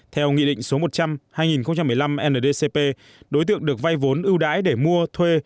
theo nghị định số một trăm linh hai nghìn một mươi năm ndcp đối tượng được vay vốn ưu đãi để mua thuê